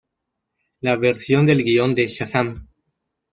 La versión del guion de "¡Shazam!